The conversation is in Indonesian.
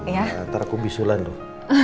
nanti aku bisulan tuh